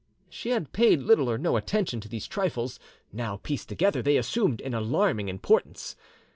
She had paid little or no attention to these trifles; now, pieced together, they assumed an alarming importance.